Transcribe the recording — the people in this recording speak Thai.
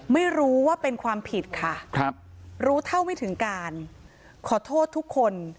ไม่รู้ว่าเป็นความผิดค่ะครับรู้เท่าไม่ถึงการขอโทษทุกคน